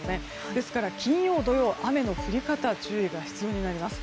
ですから、金曜、土曜雨の降り方に注意が必要になります。